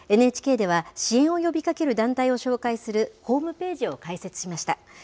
ＮＨＫでは、支援を呼びかける団体を紹介するホームページを開設しました。